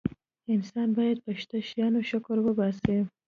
انسان باید په شته شیانو شکر وباسي.